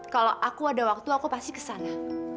kalau aku ada waktu aku pasti kesana